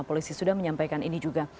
polisi sudah menyampaikan ini juga